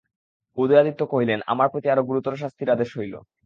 উদয়াদিত্য কহিলেন, আমার প্রতি আরো গুরুতর শাস্তির আদেশ হইল।